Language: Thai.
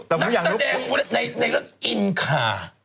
แต่ไม่อยากรูปนักแสดงในเรื่องอินคา